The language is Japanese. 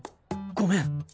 ごめん。